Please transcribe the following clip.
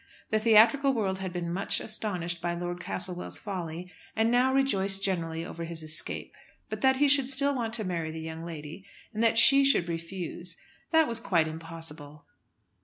The theatrical world had been much astonished by Lord Castlewell's folly, and now rejoiced generally over his escape. But that he should still want to marry the young lady, and that she should refuse, that was quite impossible.